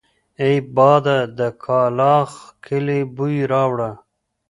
اې باده د کلاخ کلي بوی راوړه!